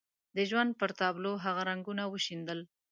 د ژوند پر تابلو هغه رنګونه وشيندل.